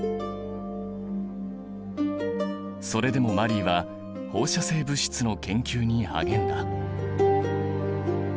それでもマリーは放射性物質の研究に励んだ。